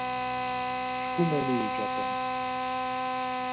Çku memiucaten!” ...